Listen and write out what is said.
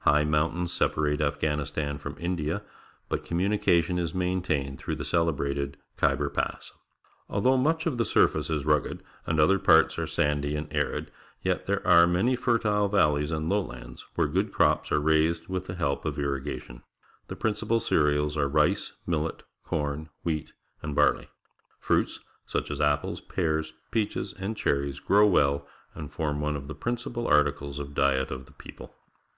High mountains separate Afghanistan from Lidia, but communication is maintained through the celebrated Kliybcr Pass. Although much of tlie surface is rugged and otlier parts are sandy and arid, yet there are many fertile valleys and lowlands, where good crops are raised with the help of irrigation. The principal cereals are rice, millet, corn, wheat, and barley. Fruits, such as apples, pears, peaches, and cherries, grow well and form one of the principal articles of diet of the people.